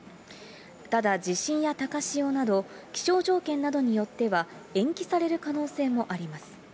ただ、地震や高潮など気象条件などによっては、延期される可能性もあります。